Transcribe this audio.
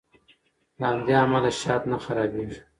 له همدې امله شات نه خرابیږي.